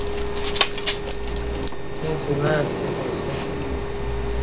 اݩڅ اُلݩع کڅہ تے اسیوم